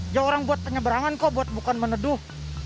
ya orang buat penyeberangan kok buat bukan meneduh